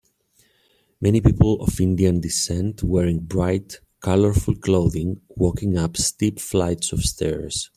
Many people of Indian descent wearing bright, colorful clothing walking up steep flights of stairs.